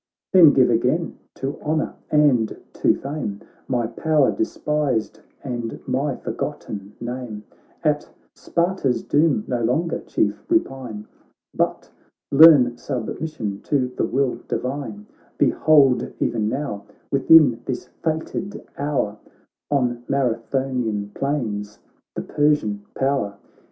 Then give again to honour and to fame My power despised and my forgotten i6 THE BATTLE OF MARATHON At Sparta's doom no longer, Chief, repine, But learn submission to the will divine ; Behold e'en now, within this fated hour, On Marathonian. plains, the Persian power